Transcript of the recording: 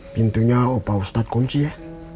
pintunya opa ustadz kunci ya